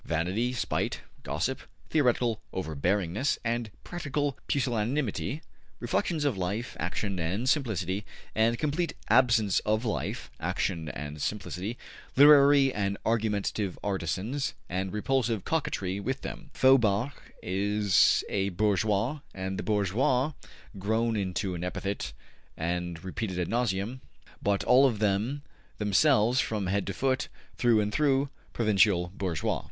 Vanity, spite, gossip, theoretical overbearingness and practical pusillanimity reflections on life, action and simplicity, and complete absence of life, action and simplicity literary and argumentative artisans and repulsive coquetry with them: `Feuerbach is a bourgeois,' and the word `bourgeois' grown into an epithet and repeated ad nauseum, but all of them themselves from head to foot, through and through, provincial bourgeois.